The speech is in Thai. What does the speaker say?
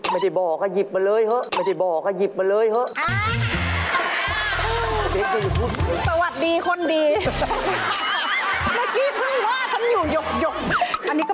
ไม่ได้บอกอ่ะหยิบมาเลยเหอะ